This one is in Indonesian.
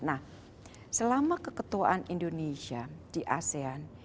nah selama keketuaan indonesia di asean